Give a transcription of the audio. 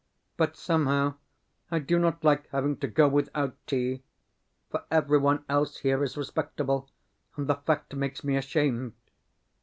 But, somehow, I do not like having to go without tea, for everyone else here is respectable, and the fact makes me ashamed.